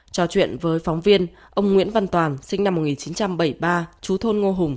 trò chuyện với phóng viên ông nguyễn văn toàn sinh năm một nghìn chín trăm bảy mươi ba chú thôn ngô hùng